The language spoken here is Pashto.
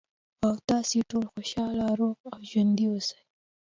، او تاسې ټول خوشاله، روغ او ژوندي اوسئ.